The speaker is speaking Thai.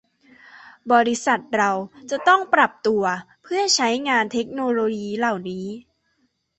บริษัทเราจะต้องปรับตัวเพื่อใช้งานเทคโนโลยีเหล่านี้